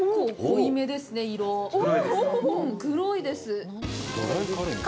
黒いですか？